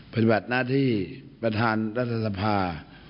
ปฏิบัติหน้าที่ประธานรัฐสภา